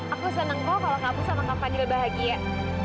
aku seneng kok kalau kamu sama kak fadil bahagia